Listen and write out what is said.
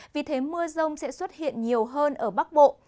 vì thế mưa rông sẽ xuất hiện nhiều hơn ở bắc bộ